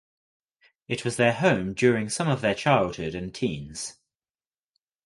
It was their home during some of their childhood and teens.